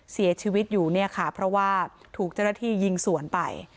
เสียชีวิตอยู่เนี่ยค่ะเพราะว่าถูกเจ้าหน้าที่ยิงสวนไป